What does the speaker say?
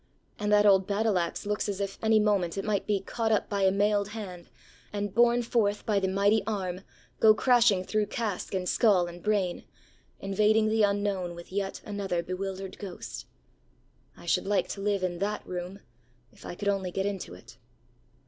And that old battle axe looks as if any moment it might be caught up by a mailed hand, and, borne forth by the mighty arm, go crashing through casque, and skull, and brain, invading the Unknown with yet another bewildered ghost. I should like to live in that room if I could only get into it.